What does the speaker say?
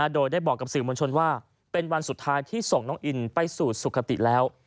โดยได้บอกกับสื่อมวลชนว่าเป็นวันสุดท้ายที่ส่งน้องอินไปสู่สุขติแล้ว